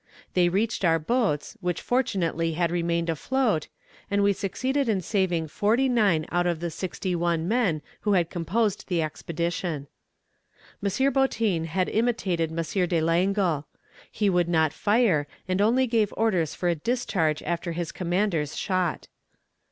They reached our boats, which fortunately had remained afloat, and we succeeded in saving forty nine out of the sixty one men who had composed the expedition. "M. Boutin had imitated M. de Langle. He would not fire, and only gave orders for a discharge after his commander's shot.